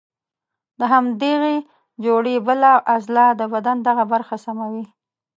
د همدغې جوړې بله عضله د بدن دغه برخه سموي.